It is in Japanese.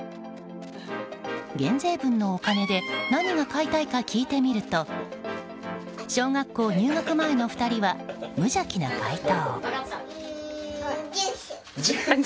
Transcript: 減税分のお金で何が買いたいか聞いてみると小学校入学前の２人は無邪気な回答。